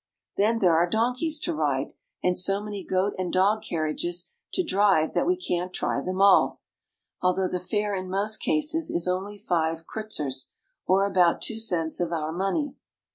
Then there are donkeys to ride, and so many goat and dog carriages to drive that we can't try them all, although the fare in most cases is only five kreutzers, or about two cents of our money.